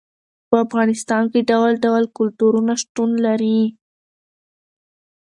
په افغانستان کې ډول ډول کلتورونه شتون لري.